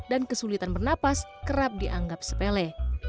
dan kesulitan bernafas kerap dianggap sepele